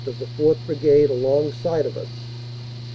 of the 4th. Brigade, alongside of us.